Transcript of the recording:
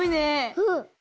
うん。